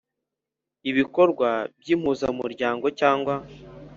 Ibikorwa by impuzamiryango cyangwa